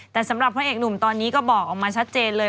แต่สำหรับพระเอกหนุ่มตอนนี้ก็บอกออกมาชัดเจนเลย